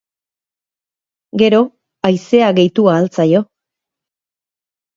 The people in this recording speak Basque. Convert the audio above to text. Gero, haizea gehitu ahal zaio.